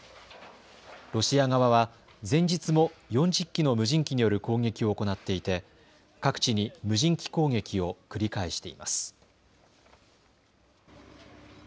ロシア側は前日も４０機の無人機による攻撃を行っていて各地に無人機攻撃を繰り返しています。